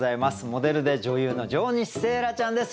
モデルで女優の上西星来ちゃんです。